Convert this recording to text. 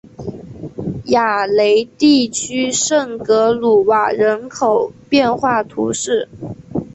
雅雷地区圣克鲁瓦人口变化图示